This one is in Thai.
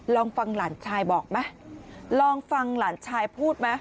ลองฟังหลานชายบอกไหมลองฟังหลานชายพูดไหม